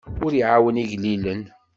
Ur iɛawen igellilen.